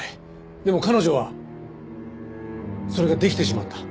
でも彼女はそれができてしまった。